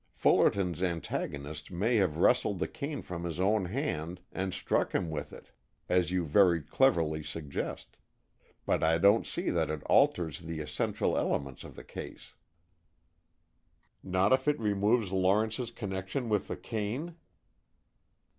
Fullerton's antagonist may have wrested the cane from his own hand and struck him with it, as you very cleverly suggest. But I don't see that it alters the essential elements of the case." "Not if it removes Lawrence's connection with the cane?"